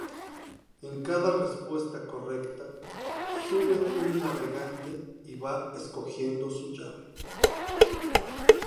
En cada respuesta correcta sube un navegante y va escogiendo su llave.